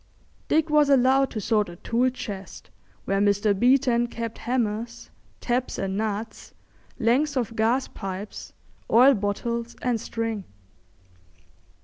Dick was allowed to sort a tool chest where Mr. Beeton kept hammers, taps and nuts, lengths of gas pipes, oil bottles, and string.